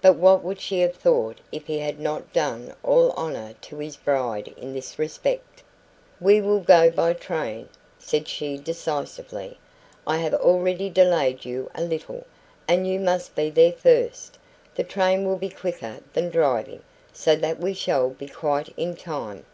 But what would she have thought if he had not done all honour to his bride in this respect? "WE will go by train," said she decisively. "I have already delayed you a little, and you must be there first. The train will be quicker than driving, so that we shall be quite in time."